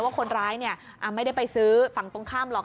ว่าคนร้ายไม่ได้ไปซื้อฝั่งตรงข้ามหรอก